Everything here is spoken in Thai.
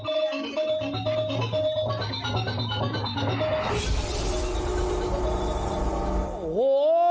โอ้โห